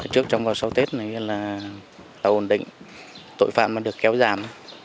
trước trong và sau tết là ổn định tội phạm được kéo giảm